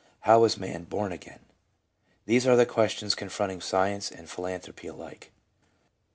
How is man "born again"? These are the questions con fronting Science and Philanthropy alike.